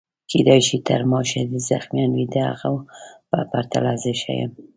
کیدای شي تر ما شدید زخمیان وي، د هغو په پرتله زه ښه یم.